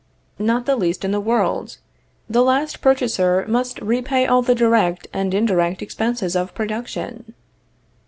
Not the least in the world. The last purchaser must repay all the direct and indirect expenses of production.